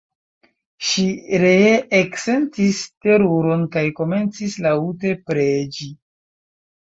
Ŝi ree eksentis teruron kaj komencis laŭte preĝi.